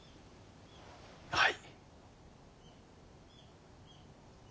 はい。